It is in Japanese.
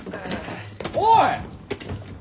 おい！